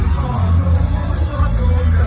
พอเผื่อ